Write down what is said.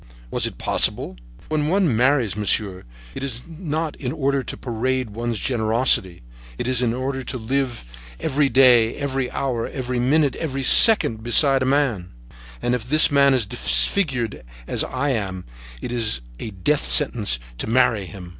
Was it possible? When one marries, monsieur, it is not in order to parade one's generosity; it is in order to live every day, every hour, every minute, every second beside a man; and if this man is disfigured, as I am, it is a death sentence to marry him!